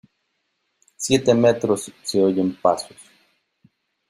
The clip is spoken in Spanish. siete metros. se oyen pasos .